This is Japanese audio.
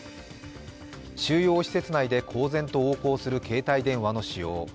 収容施設内で公然と横行する携帯電話の使用。